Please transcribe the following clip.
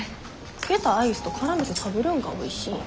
溶けたアイスとからめて食べるんがおいしいんよ。